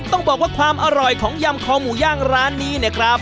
ต้องบอกว่าความอร่อยของยำคอหมูย่างร้านนี้เนี่ยครับ